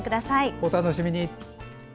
お楽しみに！